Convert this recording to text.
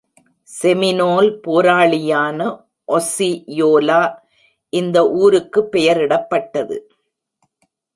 Seminole போராளியான Osceola இந்த ஊருக்கு பெயரிடப்பட்டது.